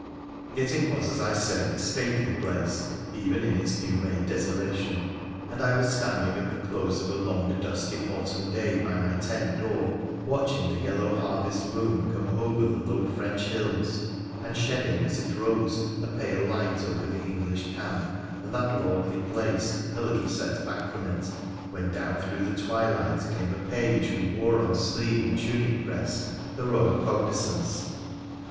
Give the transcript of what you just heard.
Yet it was, as I say, a stately place, even in its new made desolation ; and I was standing at the close of a long dusty autumn day by my tent door, watching the yellow harvest moon come over the low French hills, and shedding as it rose a pale light over the English camp and that lordly place a little set back from it, when down through the twilight came a page who wore on sleeve and tunic breast the royal cognisance.